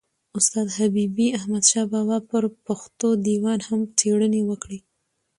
استاد حبیبي احمدشاه بابا پر پښتو دېوان هم څېړني وکړې.